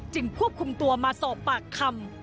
ควบคุมตัวมาสอบปากคำ